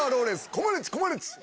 コマネチコマネチ！